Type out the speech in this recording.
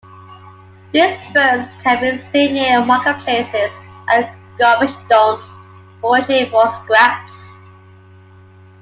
These birds can be seen near marketplaces and garbage dumps, foraging for scraps.